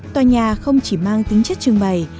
tòa nhà không chỉ mang tính chất trưng bày